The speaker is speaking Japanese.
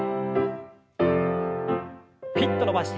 ピッと伸ばして。